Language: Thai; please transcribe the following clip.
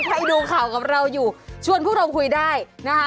ใครดูข่าวกับเราอยู่ชวนพวกเราคุยได้นะคะ